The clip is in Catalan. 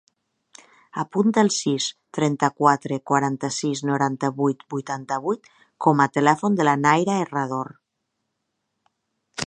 Apunta el sis, trenta-quatre, quaranta-sis, noranta-vuit, vuitanta-vuit com a telèfon de la Nayra Herrador.